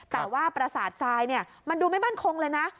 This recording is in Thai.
แต่ว่าประสาททรายมันดูไม่มั่นคงเลยนะ